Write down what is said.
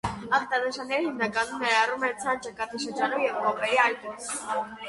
Ախտանշանները հիմնականում ներառում են ցան ճակատի շրջանում և կոպերի այտուց։